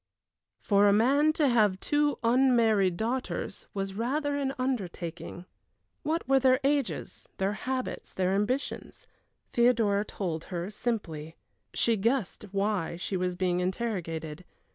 For a man to have two unmarried daughters was rather an undertaking. What were their ages their habits their ambitions? Theodora told her simply. She guessed why she was being interrogated.